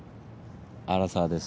アラサーでさ。